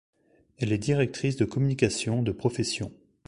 Elle est directrice de communication de profession.